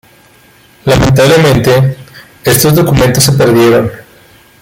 Lamentablemente, estos documentos se perdieron.